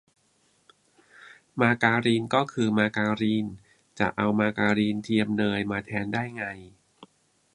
มาการีน ก็คือมาการีน จะเอามาการีนเทียม เนย มาแทนได้ไง